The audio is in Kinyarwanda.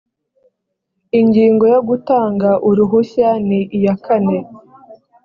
ingingo ya gutanga uruhushya ni iya kane